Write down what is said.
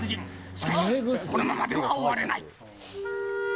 しかし、このままでは終われない。